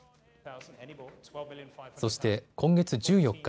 そして今月１４日。